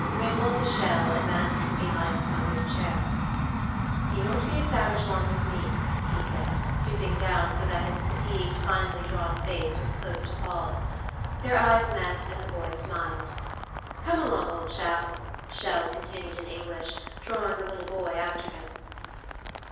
Raymond de Chelles advanced from behind his mother's chair. "He won't be a savage long with me," he said, stooping down so that his fatigued finely drawn face was close to Paul's. Their eyes met and the boy smiled. "Come along, old chap," Chelles continued in English, drawing the little boy after him.